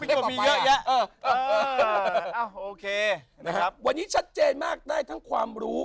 ก็มีเยอะแยะเออโอเคนะครับวันนี้ชัดเจนมากได้ทั้งความรู้